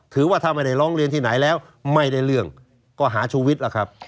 ถือว่าถ้าไม่ได้ร้องเรียนที่ไหนแล้วไม่ได้เรื่องก็หาชูวิทย์ล่ะครับ